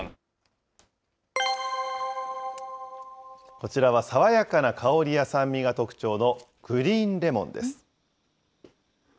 こちらは爽やかな香りや酸味が特徴のグリーンレモンです。